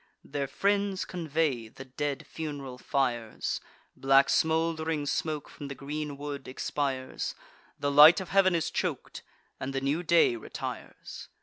Their friends convey the dead fun'ral fires; Black smould'ring smoke from the green wood expires; The light of heav'n is chok'd, and the new day retires.